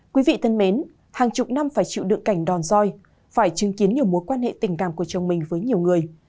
quý vị thân mến hàng chục năm phải chịu đựng cảnh đòn roi phải chứng kiến nhiều mối quan hệ tình cảm của chồng mình với nhiều người